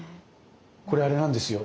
これあれなんですよ。